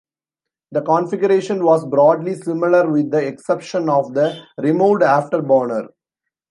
The configuration was broadly similar with the exception of the removed afterburner.